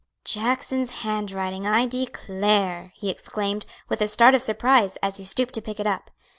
"Jackson's handwriting, I declare!" he exclaimed, with a start of surprise, as he stooped to pick it up.